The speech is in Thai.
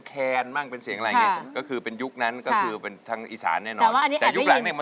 แค่เสียงโหดนี่ก็เป็นเอกลักษณ์อยู่แล้ว